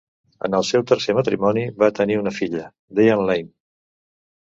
En el seu tercer matrimoni, va tenir una filla, Diane Lane.